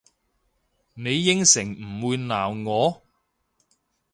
你應承唔會鬧我？